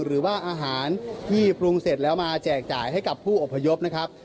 หรือว่าอาหารที่ปรุงเสร็จแล้วมาแจกจ่ายให้กับผู้อพยพนะครับ